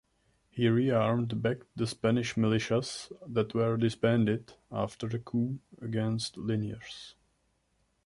He rearmed back the Spanish militias that were disbanded after the coup against Liniers.